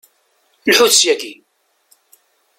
Lḥut syagi!